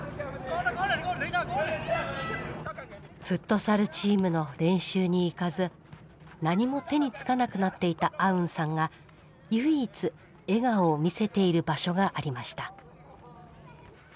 フットサルチームの練習に行かず何も手につかなくなっていたアウンさんが唯一笑顔を見せている場所がありました。